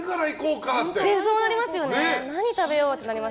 そうなりますよね。